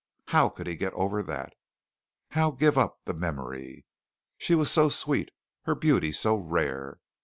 How could he get over that? How give up the memory? She was so sweet. Her beauty so rare.